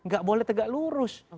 gak boleh tegak lurus